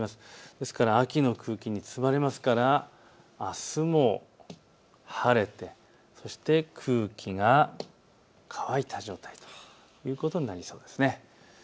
ですから秋の空気に包まれますからあすも晴れて、そして空気が乾いた状態ということになりそうです。